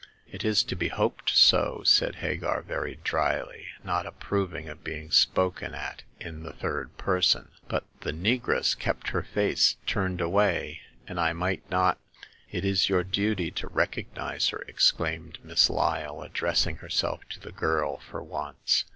It is to be hoped so," said Hagar, very dryly, not approving of being spoken at in the third person ;" but the negress kept her face turned away, and I might not "" It is your duty to recognize her," exclaimed Miss Lyle, addressing herself to the girl for once.